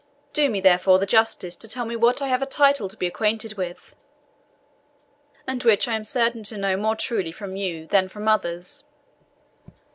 Do me, therefore, the justice to tell me what I have a title to be acquainted with, and which I am certain to know more truly from you than from others."